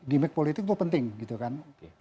gimmick politik itu penting gitu kan